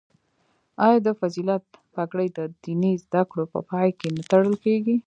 آیا د فضیلت پګړۍ د دیني زده کړو په پای کې نه تړل کیږي؟